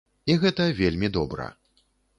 І гэта вельмі добра.